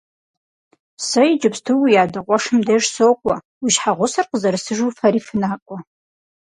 Сэ иджыпсту уи адэ къуэшым деж сокӀуэ, уи щхьэгъусэр къызэрысыжу фэри фынакӀуэ.